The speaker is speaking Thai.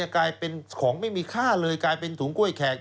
กลายเป็นของไม่มีค่าเลยกลายเป็นถุงกล้วยแขก